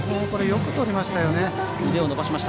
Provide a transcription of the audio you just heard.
よくとりましたよね。